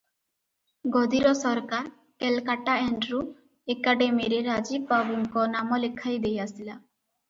ଗଦିର ସରକାର କେଲକାଟା ଏଣ୍ଡ୍ରୁ, ଏକାଡେମିରେ ରାଜୀବ ବାବୁଙ୍କ ନାମ ଲେଖାଇ ଦେଇ ଆସିଲା ।